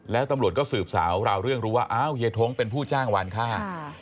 แล้วตำรวจก็สืบสาวราวเรื่องรู้ว่าอ้าวเฮียท้งเป็นผู้จ้างวานค่า